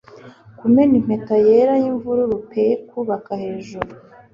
Kumena impeta yera yimvururu pe kubaka hejuru